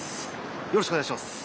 よろしくお願いします。